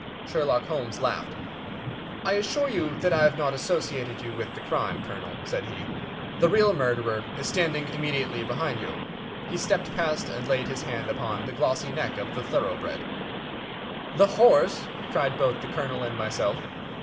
Sherlock Holmes laughed. "I assure you that I have not associated you with the crime, Colonel," said he. "The real murderer is standing immediately behind you." He stepped past and laid his hand upon the glossy neck of the thoroughbred. "The horse!" cried both the Colonel and myself.